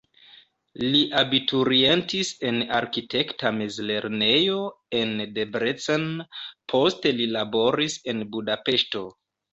Li abiturientis en arkitekta mezlernejo en Debrecen, poste li laboris en Budapeŝto.